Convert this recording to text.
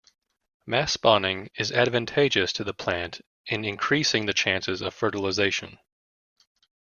Mass spawning is advantageous to the plant in increasing the chances of fertilisation.